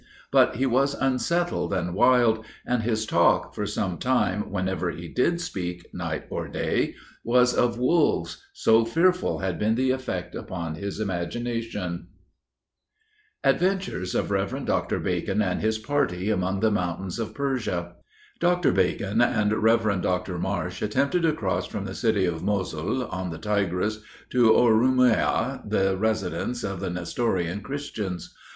But he was unsettled and wild, and his talk, for some time whenever he did speak, night or day, was of wolves so fearful had been the effect upon his imagination. ADVENTURES OF REV. DR. BACON AND HIS PARTY, AMONG THE MOUNTAINS OF PERSIA. Dr. Bacon and Rev. Mr. Marsh, attempted to cross from the city of Mosul, on the Tigris, to Oroomiah, the residence of the Nestorian Christians.